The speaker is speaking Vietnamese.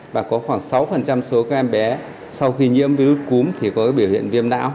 và có khoảng sáu số các em bé sau khi nhiễm virus cúm thì có biểu hiện viêm não